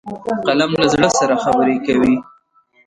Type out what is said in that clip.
قلم له زړه سره خبرې کوي